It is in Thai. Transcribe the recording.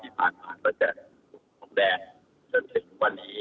จะพบกับแผนว่าเราจะแก้ไขแผนเพราะเราอย่างไร